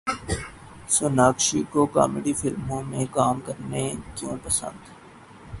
سوناکشی کو کامیڈی فلموں میں کام کرنا کیوں پسند